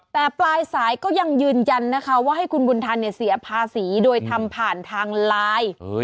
แต่ปลายสายก็ยังยืนยันนะคะว่าให้คุณบุญทันเสียภาษีโดยทำผ่านทางไลน์